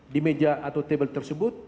di meja atau table tersebut